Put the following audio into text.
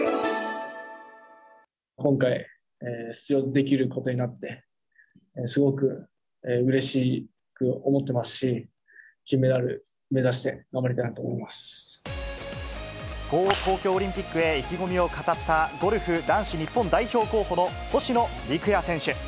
今回、出場できることになって、すごくうれしく思ってますし、金メダル目指して頑張りたいなとこう東京オリンピックへ意気込みを語った、ゴルフ日本男子代表候補の星野陸也選手。